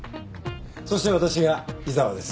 そして私が井沢です。